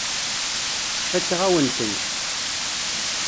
Fakeɣ-awen-tent.